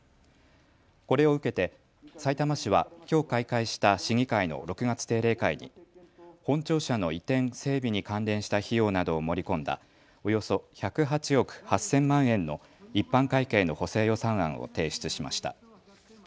これを受けて、さいたま市はきょう開会した市議会の６月定例会に本庁舎の移転・整備に関連した費用などを盛り込んだおよそ１０８億８０００万円の一般会計の補正予算案を提出しました。